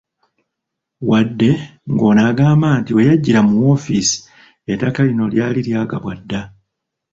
Wadde ng'ono agamba nti we yajjira mu woofiisi ettaka lino lyali lyagabwa dda